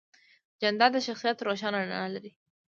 جانداد د شخصیت روښانه رڼا لري.